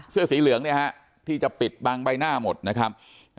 เสื้อสีเหลืองที่จะปิดบางใบหน้าหมดนะครับ